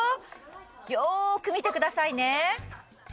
よく見てくださいね